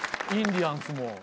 インディアンスも。